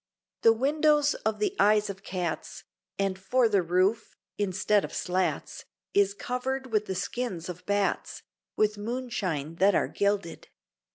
The windows of the eyes of cats, And for the roof, instead of slats, Is covered with the skins of bats, With moonshine that are gilded.